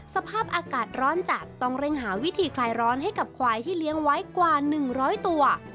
สภาพอากาศร้อนจัดต้องเร่งหาวิธีคลายร้อนให้กับควายที่เลี้ยงไว้กว่า๑๐๐ตัว